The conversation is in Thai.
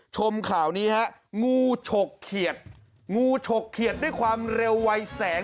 ชมข่าวนี้ฮะงูฉกเขียดงูฉกเขียดด้วยความเร็ววัยแสง